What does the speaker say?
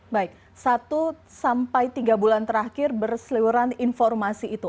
baik satu sampai tiga bulan terakhir berseliweran informasi itu